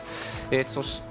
そして、